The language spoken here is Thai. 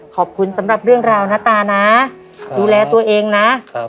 สำหรับเรื่องราวนะตานะดูแลตัวเองนะ